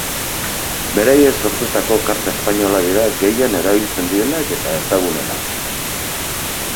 Beraiek sortutako karta espainolak dira gehien erabiltzen direnak eta ezagunenak.